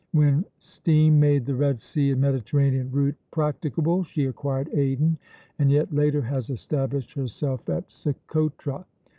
When steam made the Red Sea and Mediterranean route practicable, she acquired Aden, and yet later has established herself at Socotra.